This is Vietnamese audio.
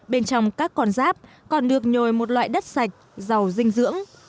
bên trong các con rác còn được nhồi một loại đất sạch dầu dinh dưỡng